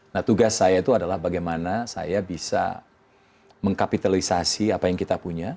nah tugas saya itu adalah bagaimana saya bisa mengkapitalisasi apa yang kita punya